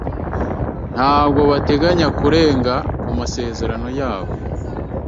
Ntabwo bateganya kurenga ku masezerano yabo.